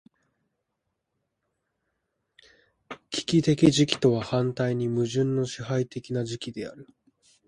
危機的時期とは反対に矛盾の支配的な時期である。